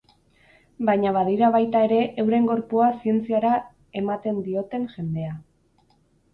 Baina badira baita ere euren gorpua zientziara ematen dioten jendea.